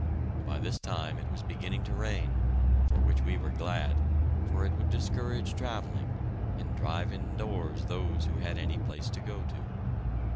By this time it was beginning to rain, for which we were glad, for it would discourage travelling and drive indoors those who had any place to go to.